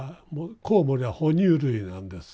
コウモリは哺乳類なんです。